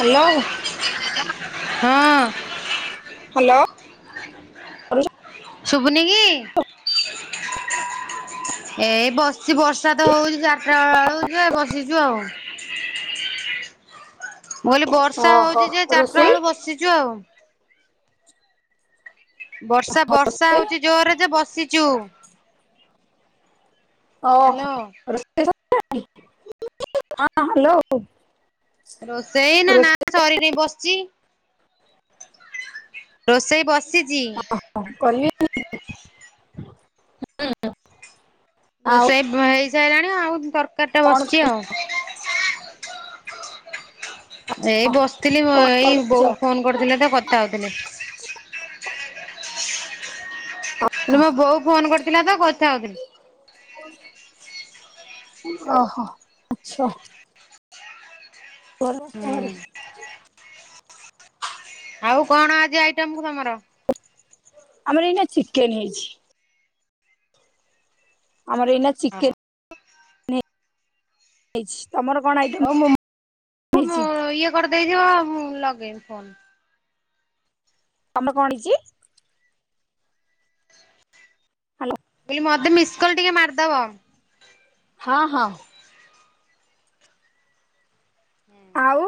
Hello. ହଁ। Hello. ଶୁଭୁନି କି? ଏଇ ବସିଚି ବର୍ଷା ତ ହଉଛି ଚାରିଟା ବେଳୁ ଯେ ଏ ବସିଛୁ ଆଉ। ମୁଁ କହିଲି ବର୍ଷା ଓହୋ ହଉଛି ଯେ ଚାରିଟା ରୋଷେଇ ବେଳୁ ବସିଛୁ ଆଉ। ବର୍ଷା ବର୍ଷା ହଉଛି ଜୋରରେ ଯେ ବସିଛୁ। ଓ ହୋ, ହ୍ୟାଲୋ ରୋଷେଇ ସରିଲାଣି [unintelligible] ହଁ ହ୍ୟାଲୋ। ରୋଷେଇ ନା ନା ରୋଷେଇ ସରିନେଇ ବସିଛି। ରୋଷେଇ ବସିଛି। କଣ କରିବେ [unintelligible] ରୋଷେଇ ହେଇସାରିଲାଣି ଆଉ ତରକାରୀ ଟା କଣ ବସିଛି ଆଉ। [unintelligible] ଏଇ ବସିଥିଲି କଣ ଏଇ କରୁଛ ବୋଉ ଫୋନ କରୁଥିଲେ ତ କଥା ହଉଥିଲି। ହେଲେ ମୋ ବୋଉ ଫୋନ କରିଥିଲା ତ କଥା ହଉଥିଲି। ଓହୋ ଆଚ୍ଛା। ହୁଁ [unintelligible] ଆଉ କଣ ଆଜି ଆଇଟମ କି ତମର? ଆମର ଏଇନା ଚିକେନ୍ ହେଇଛି। ଆମର ଏଇନା ଚିକେନ ହେଇଛି। ତମର କଣ ଆଇ ହୋଉ ମୁଁ-ମୁଁ-ମୁଁ ଇଏ କରିଦେଇଥିବ ମୁଁ ଲଗେଇମ୍ ଫୋନ। ତମ କଣ ହେଇଚି? ହାଲୋ। କହିଲି ମତେ ମିସକଲ୍ ଟିକେ ମାରିଦବ। ହଁ ହଁ। ହୁଁ। ଆଉ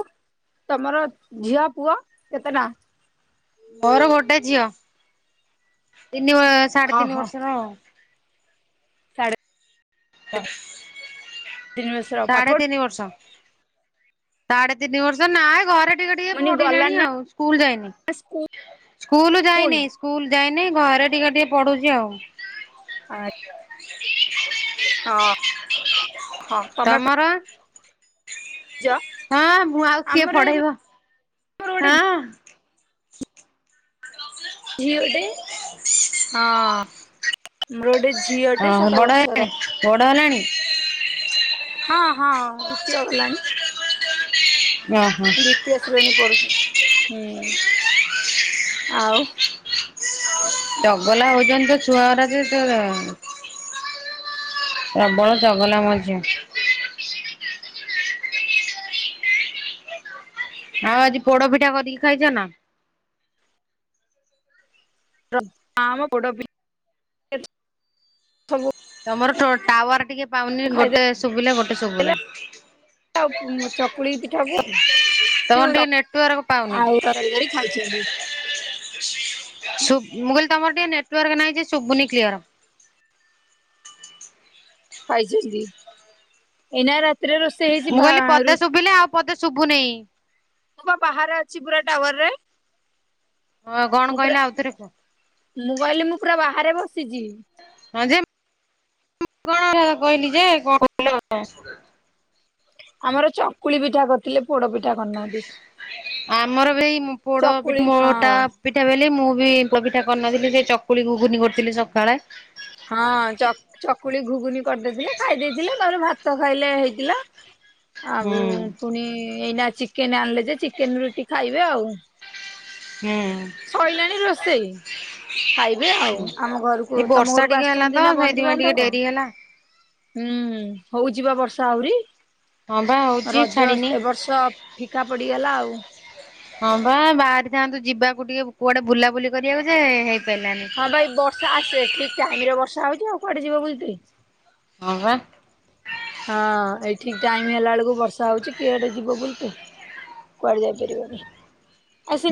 ତମର ଝିଅ, ପୁଅ କେତେଟା? ମୋର ଗୋଟେ ଝିଅ ତିନି ବ ସାଢେ ତିନି ଓହୋ ବର୍ଷର ଆଉ। ସାଢେ- ତିନି ବର୍ଷର ପାଠ ସା-ସାଢ଼େ ପଢୁ ତିନି ବର୍ଷ। ସାଢ଼େ ତିନି ବର୍ଷ ନାଁ ଏ ଘରେ ଟିକେ ଟିକେ ମାନେ ପଢ଼ିଲାଣି ଗଲାଣି ଆଉ ନା ସ୍କୁଲ୍ ଯାଇନି ସ୍କୁଲ ସ୍କୁଲୁ ଯାଇନି। ସ୍କୁଲ ଯାଇନି ଘରେ ଟିକେ ଟିକେ ପଢୁଚି ଆଉ। ଆ ହଁ ହଁ ତମେ ପା ତମର? ହଁ ମୁଁ ଆଉ କିଏ ଆମର ପଢେଇବ ମୋର ଗୋଟେ ହଁ। ଝିଅଟେ ହଁ ମୋର ଗୋଟେ ଝିଅଟେ ସାତ ବର୍ଷର। ବଡ଼ ହେଲାଣି? ହଁ ହଁ ଦ୍ୱିତୀୟ ଗଲାଣି। ଓହୋ। ଦ୍ବିତୀୟ ଶ୍ରେଣୀ ପଡୁଚି ହୁଁ ଆଉ? ଚଗଲା ହୋଉଚନ୍ତି ଯେ ଛୁଆଉରା ଯେ ତୋ ପ୍ରବଳ ଚଗଲା ମୋ ଝିଅ। ଆଉ ଆଜି ପୋଡପିଠା କରିକି ଖାଇଚ ନା।? ର ନାଁମ ପୋଡପି ସବୁ ତମର ଟୋ-ଟାୱାର ଟିକେ ପାଉନି ଗୋଟେ ଖାଇଦେଲେ ଶୁଭିଲେ ଗୋଟେ ଶୁଭୁନି। ଆଉ ତମର ଚକୁଳି ପିଠାକୁ ଯୋଉ ଟିକେ ନେଟୱାର୍କ ପାଉନି। ଆଉ ତରକାରୀ ଖାଇଛନ୍ତି। ଶୁ ମୁଁ କହିଲି ତମର ଟିକେ ନେଟୱାର୍କ ନାଇଁ ଯେ ଶୁବୁନି କ୍ଲିୟର। ହାଇଛନ୍ତି ଏଇନାକେ ରା ମୁଁ କହିଲି ପଦେ ଶୁଭିଲେ ଆଉ ପଦେ ଶୁଭୁନେଇଁ। ମୁଁ ପା ବାହାରେ ଅଛି ପୁରା ଟାୱାରରେ। ହଁ କଣ କହିଲା ଆଉଥରେ କୁହ। ମୁଁ କହିଲି ମୁଁ ପୁରା ବାହାରେ ବସିଚି। ହଁ ଯେ ମୁଁ କଣ କହିଲି ଯେ କଣ? ଆମର ଚକୁଳି ପିଠା କର୍ ରଥିଲେ ପୋଡ ପିଠା କ ଆମର ବି ଏଇ ମ୍ ପୋଡପି ଚକୁଳି ମୋଟା ହଁ ପିଠା ବେଲି ମୁଁ ବି ପୋଡ ପିଠା କରିନଥିଲି ସେ ଚକୁଳି ଘୁଘୁନି କରୁଥିଲି ସକାଳେ। ହଁ ଚ ଚକୁଳି ଘୁଘୁନି କରି ଦେଇଥିଲେ ଖାଇ ଦେଇଥିଲେ ତାପରେ ଭାତ ଖାଇଲେ ହେଇଥିଲା। ହୁଁ ଆଉ ପୁଣି ଏଇନା ଚିକେନ ଆଣିଲେ ଯେ ଚିକେନ ରୁଟି ଖାଇବେ ଆଉ। ହୁଁ। ଶଇଲାଣି ରୋଷେଇ। ଖାଇବେ ଆଉ ଆମ ଘରକୁ ଏଇ ତମ ବର୍ଷା ଘରକୁ ଟିକେ ହେଲା ତ ଆସିଛନ୍ତି ନା ସେଇଥିପାଇଁ ଟିକେ ବନ୍ଧୁବାନ୍ଧବ? ଡେରି ହେଲା। ହୁଁ ହୋଉଚି ପା ବର୍ଷା ଆହୁରି। ହଁ ବା ହଉଛି ରଜ ଅସ୍ ଛାଡିନି। ଏବର୍ଷ ଫିକା ପଡିଗଲା ଆଉ। ହଁ ପା ବାହାରିଥାନ୍ତୁ ଯିବାକୁ ଟିକେ କୁଆଡେ ବୁଲାବୁଲି କରିବାକୁ ହେଇ ହଁ ଭାଇ ବର୍ଷା ଆସିଲେ ଠିକ ଟାଇମରେ ବର୍ଷା ହଉଛି ଆଉ କୁଆଡେ ଯିବ ବୁଲି? ହଁ ଵା। ହଁ ଏଇ ଠିକ ଟାଇମ ହେଲା ବେଳକୁ ବର୍ଷା ହଉଛି କୁଆଡେ ଯିବ ବୁଲି? କୁଆଡେ ଯାଇ ପାରିବନି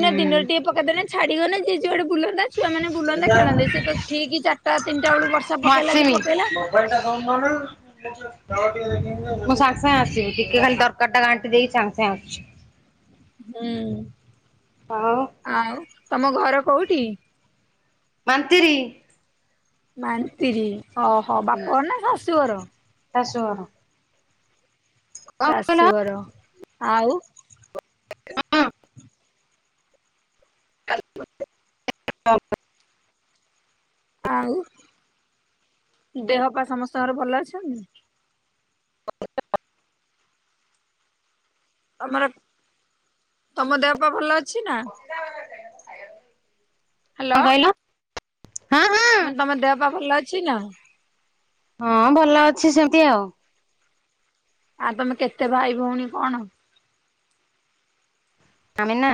ହୁଁ ଦିନରେ ଟିକେ ପକେଇଦେ ନା ଛାଡିଗଲେ ନା ଯିଏ ଯୁଆଡେ ବୁଲନ୍ତା। ଛୁଆମାନେ ବୁଲନ୍ତେ ଖେଳନ୍ତେ ମୁଁ ସେ ତ ଠିକ୍ ଚାରିଟା ତିନିଟା ବେଳ ବର୍ଷା ପକେଇଲା ଯେ ପକେଇଲା। ବର୍ଷା ହେଲା କଣ? ମୁଁ ସାଙ୍ଗେ ସାଙ୍ଗେ ଆସିବି ଟିକେ ଖାଲି ଦରକାରଟା ଘାଣ୍ଟି ଦେଇକି ସାଙ୍ଗ ସାଙ୍ଗେ ଆସୁଛି। ହୁଁ। ହଁ। ଆଉ ତମ ଘର କୋଉଠି? ମାନ୍ତିରି। ମାନ୍ତିରି ଓହୋ ବାପଘର ନା ଶାଶୁଘର? ଶାଶୁ ଘର। ଶାଶୁଘର ଆଉ [inaudible] ଆଉ ଦେହ ପା ସମସ୍ତଙ୍କର ଭଲ ଅଛନ୍ତି। [inaudible] ତମର ତମ ଦେହ ପା ଭଲ ଅଛି ନା? ହ୍ୟାଲୋ କଣ କହିଲ ହାଁ ହାଁ। ମାନେ ତମ ଦେହ ପା ଭଲ ଅଛି ନ। ହଁ ଭଲ ଅଛି ସେମିତି ଆଉ ଆଉ ତମେ କେତେ ଭାଇ ଭଉଣୀ କଣ? ଆମେନା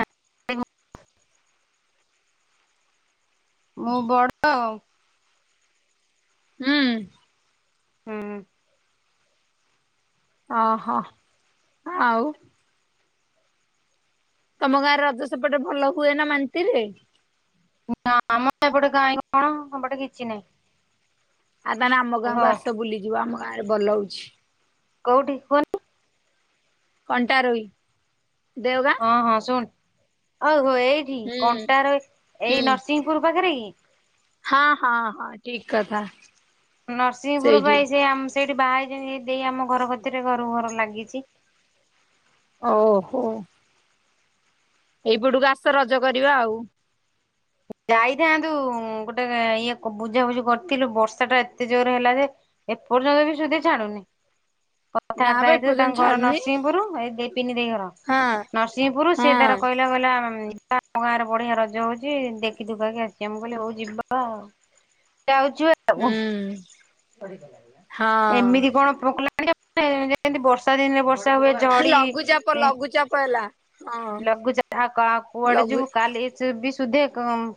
ମୁଁ ବଡ ହୁଁ। ହୁଁ। ଅହ ଆଉ ତମ ଗାଁରେ ରଜ ସେପଟେ ଭଲ ହୁଏ ନା ମାନ୍ତିରିରେ? ନା ଆମର ସେପଟେ କାଈଁ କଣ ସେପଟେ କିଛି ନାହିଁ। ଆଉ ତାହେଲେ ଆମ ଗାଁକୁ ଆସ ବୁଲିଯିବ ଆମ ଗାଁ ରେ ଭଲ ହଉଛି। କୋଉଠି କୁଅ କଣ୍ଟାରୋହି ଦେଓଗାଁ। ହଁ ହଁ ଶୁଣ ଓହୋ ଏଇଠି ହୁଁ କଣ୍ଟାରୋହୀ ହୁଁ। ଏଇ ନରସିଂହପୁର ପାଖରେ କି? ହଁ ହଁ ହଁ ଠିକ କଥା। ନରସିଂହପୁର ପା ସେଇଠି ଏଇ ସେ ସେଇଠି ବାହା ହେଇଛନ୍ତି ଦେଇ ଆମ ଘର କତିରେ ଘରକୁ ଘର ଲାଗିଛି। ଓହୋ। ଏଇପଟକୁ ଆସ ରଜ କରିବା ଆଉ ଯାଇଥାନ୍ତୁ ଗୋଟେ ଇଏକୁ ବୁଝାବୁଝି କରିଥିଲୁ ବର୍ଷାଟା ଏତେ ଜୋର ହେଲା ଯେ ଏପର୍ଯ୍ୟନ୍ତ ବି ସୁଧି ଛାଡୁନି। ହ [unintelligible] କଥାବାର୍ତ୍ତା ହେଇଥିଲେ ତାଙ୍କ ଘର ନରସିଂହପୁର ଏଇ ଦେଇ ପିନି ଦେଇ ଘର। ହଁ ନରସିଂହପୁରୁ ସିଏ ହଁ। ତାର କହିଲା କହିଲା ଆମ ଗାଁରେ ବଢିଆ ରଜ ହଉଛି ଦେ ଜିବାକି ଆସିବା ମୁଁ କହିଲି ହଉ ଯିବା ଯାଉଛୁବା ହୁଁ ହଁ ଏମିତି କଣ? ଆ କଲାଣି ଯେମିତି ବର୍ଷା ଦିନରେ ବର୍ଷା ହୁଏନା। ଝଢି ଲଘୁଚାପ ଲଘୁଚାପ ହେଲା। ହଁ ଲଘୁଚା ଯାଠାକ କୁଆଡେ ଲଘୁ ଯିବୁ କାଲି? ସେବି ସୁଧେ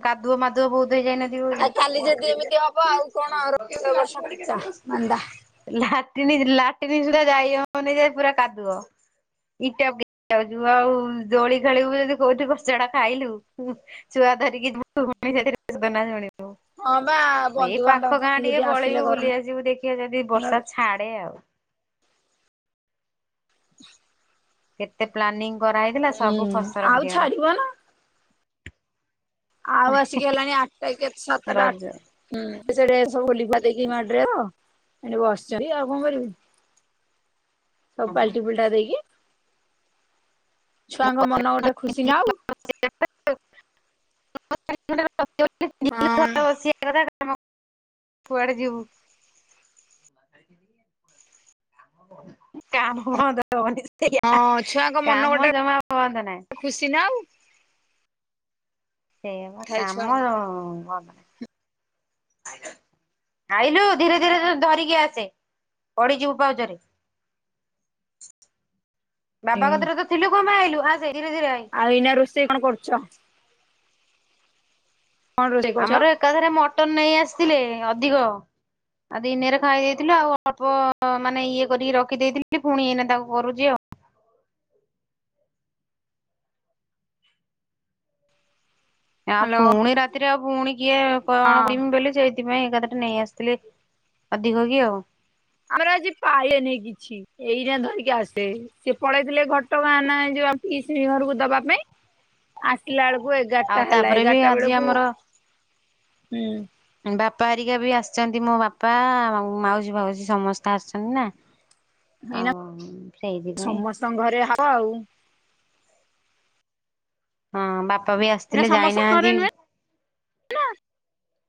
କାଦୁଅ ମାଦୁଆ ବହୁତ ଧୋଇ ଯାଇ ନଥିବ। ଆଉ କାଲି ଯଦି ଏମିତି ହବ ଆଉ କଣ ଏ ବର୍ଷ ଫିକା ମାନ୍ଦା। ଲାଟିନୀ ଲାଟନୀ ସୁଦ୍ଧା ଯାଇ ହବନି ଯେ ପୁରା କାଦୁଅ। ଇଟା ଯାଉଛୁ ଆଉ ଦୋଳି ଖେଳିିବୁ ଯଦି କୋଉଠି କଚଡା ଖାଇଲୁ? ଛୁଆ ଧରିକି [inaudible] ଶୁଣିବୁ। ହଁ ବା ଏଇ ବନ୍ଧୁବାନ୍ଧବ ପାଖ ଗାଁ ପୁଣି ଯଦି ଟିକେ ଆସିଲେ ପଳେଇବୁ ଘର ବୁଲି ଆସିବୁ ଦେଖିଆ ଯଦି ବର୍ଷା ଛା ଏ ଆଉ। କେତେ ପ୍ଲାନିଂ କରାହେଇଥିଲା ହୁଁ ସବୁ ଫସର ଆଉ ଫାଟିଗଲା। ଛାଡିବ ଆଉଆସିକି ହେଲାଣି ଆଠଟା କି ସତାଟା ଆଠ ହୁଁ ସେଠି ସବୁ [inaudible] ଏଠି ବସିଛନ୍ତି ଆଉ କଣ କରିବି। ସବୁ ରଜ ପାଲଟି ଫୁଲଟା ଦେଇକି। ଛୁଆଙ୍କ ମନ ଗୋଟେ ଖୁସି ନା ଆଉ। [inaudible] [inaudible] ହଁ କୁଆଡେ ଯିବୁ? କାମ ବନ୍ଦ ହବନି ସେୟା ହଁ ଛୁଆଙ୍କ ମନ କାମ ଗୋଟେ ଜମା ବନ୍ଦ ନାହିଁ। ଖୁସି ନାଉ। ସେୟା ପା ଥାଏ କାମ ଛୁଆଙ୍କ। ବନ୍ଦ ନାହିଁ। ଆଇଲୁ ଧୀରେ ଧୀରେ ଧରିକି ଆସେ ପଡିଯିବୁ ପାଉଛରେ। ଆ [unintelligible] ବାବା କତିରେ ତ ଥିଲୁ କଣପାଇଁ ଆଇଲୁ ଆସେ ଧୀରେ ଧୀରେ ଆଇ। ଆଉ ଏଇନା ରୋଷେଇ କଣ କରୁଛ? କଣ ରୋଷେଇ କରୁଛ ଆମର ଏକାଥରେ ମଟନ୍ ନେଇ ଆସିଥିଲେ ଅଧିକ। ଆଉ ଦିନେରେ ଖାଇ ଦେଇଥିଲୁ ଆଉ ଅଳ୍ପ ମାନେ ଇଏ କରିକି ରଖିଦେଇଥିଲି ପୁଣି ଏଇନା ତାକୁ କରୁଛି ଆଉ। ଆଉ ହ୍ୟାଲୋ ପୁଣି ରାତିରେ ଆଉ ପୁଣି କିଏ କଣ ହଁ। କରିମି ବୋଲି ସେଇ ସେଥିପାଇଁ ଏକଥରେ ନେଇ ଆସିଥିଲେ ଅଧିକ କି ଆଉ। ଆମର ଆଜି ପାଇଲେନେଇ କିଛି। ଏଇରା ଧରିକି ଆସେ ସିଏ ପଳେଇଥିଲେ ଘଟଗାଁ ନା ଏଯୋଉ ପିିସି ଘରକୁ ଦବା ପାଇଁ। ଆସିଲା ବେଳକୁ ଆଉ ଏଗାରଟା ହେଲା ତାପରେ ବି ଏଗାରଟା ଆଜି ବେଳକୁ ଆମର ହୁଁ। ବାପା ଆରିକା ବି ଆସିଛନ୍ତି ମୋ ବାପା ମାଉସୀ ଫାଉସି ସମସ୍ତେ ଆସିଛନ୍ତି ନା। ଏଇନା ଆଉ ସେଇଥିପାଇଁ ସମସ୍ତଙ୍କ ଘରେ ହବ ଆଉ। ହଁ ବାପା ବି ଏଇଟା ଆସିଥିଲେ ସମସ୍ତଙ୍କ ଘରେ ଯାଇନାହାନ୍ତି। ନୁହେଁ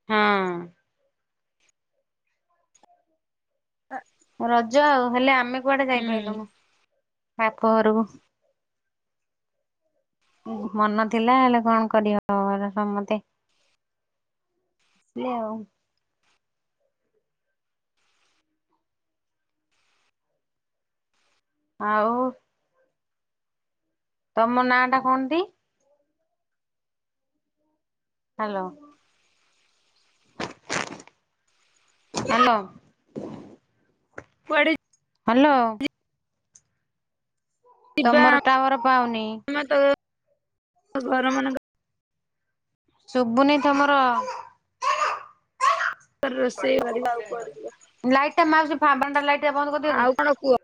ହଁ। [inaudible] ରଜ ଆଉ ହେଲେ ଆମେ କୁଆଡେ ହୁଁ ଯାଇପାଇଲୁନୁ ବାପଘରକୁ। ମନ ଥିଲା ହେଲେ କଣ କରିବ ଘର ସମସ୍ତେ। ଲେ ଆଉ। ଆଉ। ତମ ନାଁ ଟା କଣନ୍ତି? ହ୍ୟାଲୋ। ହ୍ୟାଲୋ। କୁଆଡେ ହ୍ୟାଲୋ। ଯିବା ତମର ଟାୱାର ପାଉନି। ଆ ତ ଘର ମାନଙ୍କ ଶୁଭୁନି ତମର? ରୋଷେଇ କରିବା ଆଉ କୁଆଡେ ଯିବା ଲାଇଟ୍ ଟା ମାଉସୀ ବା ବନ୍ଦ କରିଦଅତି। ଆଉ କଣ କୁହ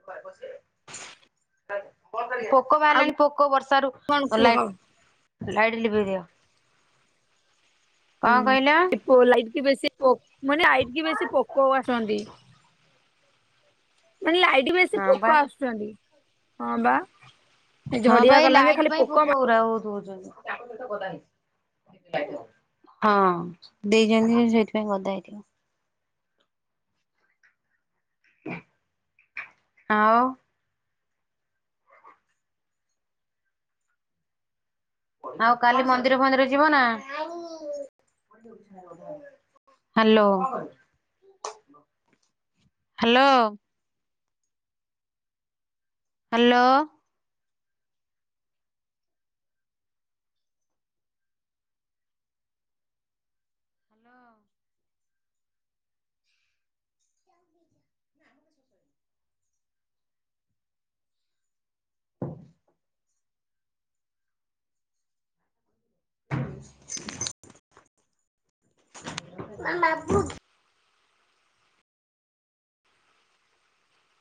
ପୋକ ଆଉ ବାହାରିଲାଣି ପୋକ ବର୍ଷାରୁ। କଣ ଓ କୁହ ଲାଈ ଲାଇଟ୍ ଲିଭେଇଦିଅ। ହୁଁ ଏ ପୋ ଲାଇଟ୍ କି ବେଶି ପୋ ମୁଁ କହିଲି ଲାଇଟ୍ କି ବେଶୀ ପୋକ ଆସନ୍ତି ମାନେ ଲାଇ ବେଶୀ ହଁ ବା ପୋକ ଆସୁଛନ୍ତି ହଁ ବା। ହଁ ପା ଝଡିଆ ଏଇ ଗଲା ଯେ ଲାଇଟ୍ ଖାଲି ପାଇଁ ପୋକ ମା ପୋକଉରା ବୋହୁତ ହଉଛନ୍ତି। ହଁ ଦେଇଛନ୍ତି ସେଇଥିପାଇଁ ଗଦା ହେଇଥିବ। ଆଉ। ଆଉ କାଲି ମନ୍ଦିର ଫନ୍ଦିର ଯିବ ନା? ହାଲୋ। ହାଲୋ। ହାଲୋ। [inaudible] [unintelligible]